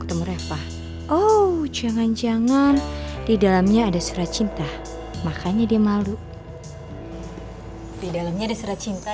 ketemu reva oh jangan jangan di dalamnya ada surat cinta makanya dia malu di dalamnya ada surat cinta